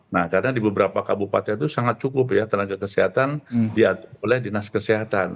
nah karena di beberapa kabupaten itu sangat cukup ya tenaga kesehatan oleh dinas kesehatan